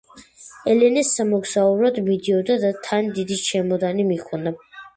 ელენე სამოგზაუროდ მიდიოდა და თან დიდი ჩემოდანი მიჰქონდა